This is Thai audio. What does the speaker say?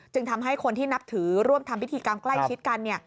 ทำให้คนที่นับถือร่วมทำพิธีกรรมใกล้ชิดกัน